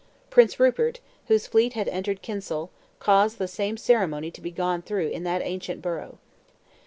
Prince Rupert, whose fleet had entered Kinsale, caused the same ceremony to be gone through in that ancient borough.